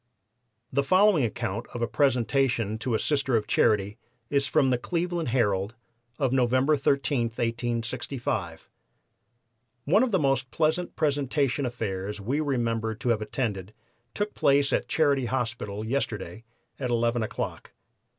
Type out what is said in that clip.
The following account of a presentation to a Sister of Charity is from the Cleveland Herald of November 13, 1865: "One of the most pleasant presentation affairs we remember to have attended took place at Charity Hospital yesterday, at 11 o'clock.